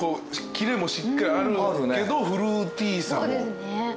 キレもしっかりあるけどフルーティーさも。